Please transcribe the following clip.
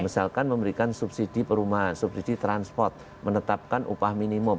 misalkan memberikan subsidi perumahan subsidi transport menetapkan upah minimum